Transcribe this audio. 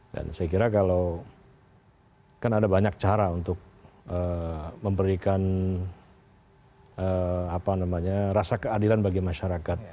dan saya kira kalau kan ada banyak cara untuk memberikan apa namanya rasa keadilan bagi masyarakat